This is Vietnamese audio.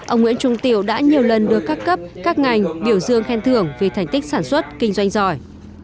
ông nguyễn trung tiểu đã nhiều lần được các cấp các ngành biểu dương khen thưởng vì thành tích sản xuất kinh doanh giỏi